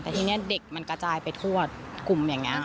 แต่ทีนี้เด็กมันกระจายไปทั่วกลุ่มอย่างนี้